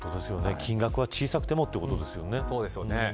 金額は小さくてもということですよね。